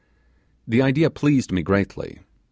The idea pleased me greatly.